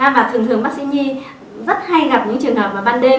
và thường thường bác sĩ nhi rất hay gặp những trường hợp ban đêm